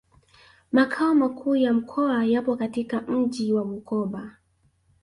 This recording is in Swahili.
Makao makuu ya mkoa yapo katika mji wa Bukoba